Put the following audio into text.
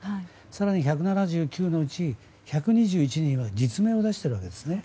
更に１７９のうち１２１人は実名を出しているわけですね。